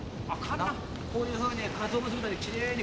こういうふうにかつお節みたいに奇麗に。